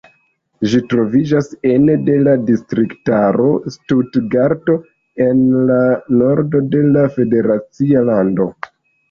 Ĝi troviĝas ene de la distriktaro Stutgarto, en la nordo de la federacia lando.